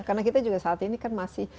karena kita juga saat ini kan masih